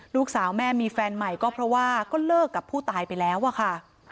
ลูกสาวแม่มีแฟนใหม่ก็เพราะว่าก็เลิกกับผู้ตายไปแล้วอะค่ะ